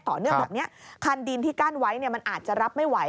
เรื่องแบบนี้คันดินที่กั้นไว้มันอาจจะรับไม่ไหว